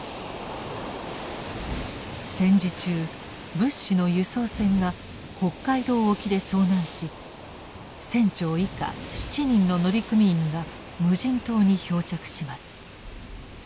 戦時中物資の輸送船が北海道沖で遭難し船長以下７人の乗組員が無人島に漂着します。